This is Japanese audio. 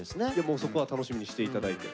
そこは楽しみにして頂いて。